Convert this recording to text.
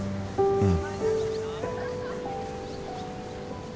うん。